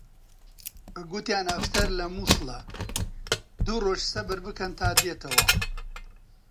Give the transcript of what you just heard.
گوتیان ئەفسەر لە مووسڵە، دوو ڕۆژ سەبر بکەن تا دێتەوە